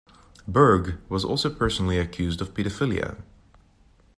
Berg was also personally accused of pedophilia.